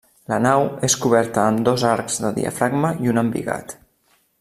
La nau és coberta amb dos arcs de diafragma i un embigat.